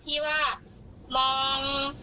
พี่ก็บอกว่าพี่ไม่ได้มอง